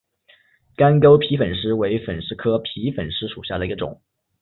干沟皮粉虱为粉虱科皮粉虱属下的一个种。